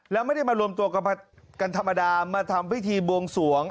แล้วไม่ได้มารวมตัวกันธรรมดามาทำพิธีบวงสวง